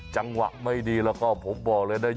จังหวะไม่ดีแล้วก็ผมบอกเลยนะ